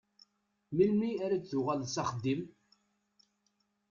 Melmi ara d-tuɣaleḍ s axeddim?